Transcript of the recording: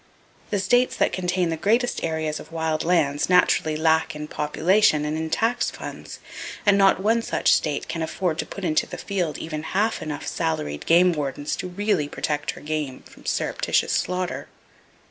[J] The states that contain the greatest areas of wild lands naturally lack in population and in tax funds, and not one such state can afford to put into the field even half enough salaried game wardens to really protect her game from surreptitious slaughter.